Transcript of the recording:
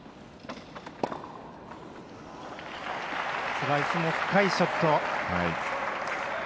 スライスも深いショット。